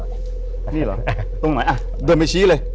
ตรงไหนอ่ะเดินไปชี้เลย